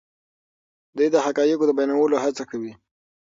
دی د حقایقو د بیانولو هڅه کوي.